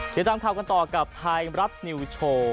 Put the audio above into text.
เดี๋ยวตามข่าวกันต่อกับไทยรัฐนิวโชว์